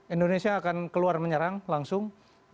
indonesia akan keluar menyerang langsung